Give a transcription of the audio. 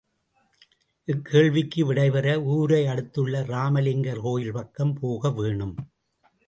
இக்கேள்விக்கு விடை பெற, ஊரை அடுத்துள்ள ராமலிங்கர் கோயில் பக்கம் போக வேணும்.